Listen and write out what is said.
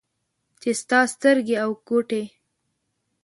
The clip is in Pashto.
چې ستا سترګې او ګوټې